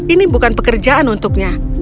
ini bukan pekerjaan untuknya